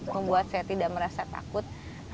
membuat saya tidak merasa takut